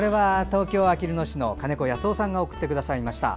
東京・あきる野市の金子保男さんが送ってくださいました。